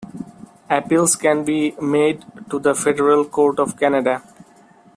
Appeals can be made to the Federal Court of Canada.